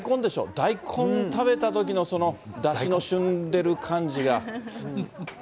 大根食べたときの、そのだしのしゅんでるかんじが。